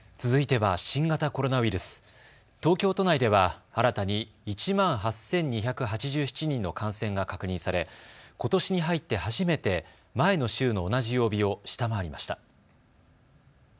続いては新型コロナウイルス、東京都内では新たに１万８２８７人の感染が確認されことしに入って初めて前の週の同じ曜日を下回りました。